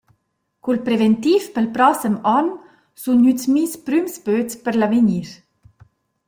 Cul preventiv pel prossem on sun gnüts miss prüms böts per l’avegnir.